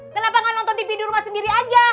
kenapa nggak nonton tv di rumah sendiri aja